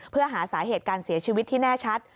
เพื่อหาสาเหตุการเสียชีวิตที่แน่ชัด